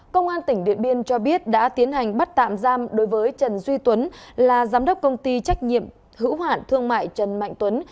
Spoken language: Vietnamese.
công an tỉnh điện biên cho biết đã tiến hành bắt tạm giam đối với trần duy tuấn là giám đốc công ty trách nhiệm hữu hoạn thương mại trần mạnh tuấn